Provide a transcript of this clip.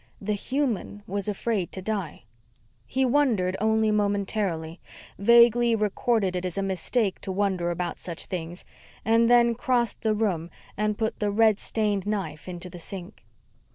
The human was afraid to die. He wondered only momentarily, vaguely recorded it as a mistake to wonder about such things, and then crossed the room and put the red stained knife into the sink.